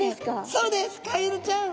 そうですカエルちゃん。